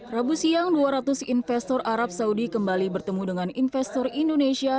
rabu siang dua ratus investor arab saudi kembali bertemu dengan investor indonesia